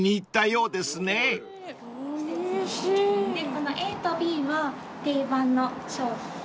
このＡとＢは定番の商品です。